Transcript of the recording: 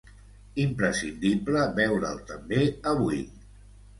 Imprescindible veure’l també avui.